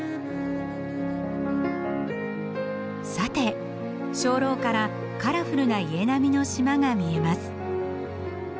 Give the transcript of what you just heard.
さて鐘楼からカラフルな家並みの島が見えます。